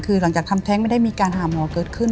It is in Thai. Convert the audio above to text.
คือหลังจากทำแท้งไม่ได้มีการหาหมอเกิดขึ้น